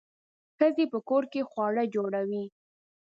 ښځې په کور کې خواړه جوړوي.